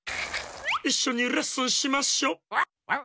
いっしょにレッスンしましょ。